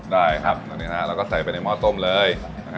ได้ครับตอนนี้นะครับแล้วก็ใส่ไปในหม้อต้มเลย